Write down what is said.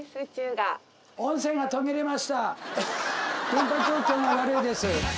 電波状況が悪いです。